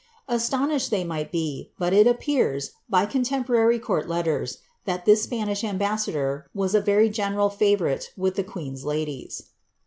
Astonished they might be; but it ap pears, by contemporary court letters, that this Spanish ambassador was a very ffeneral favourite with the queen's ladies.